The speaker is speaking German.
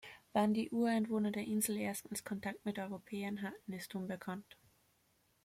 Wann die Ureinwohner der Insel erstmals Kontakt mit Europäern hatten, ist unbekannt.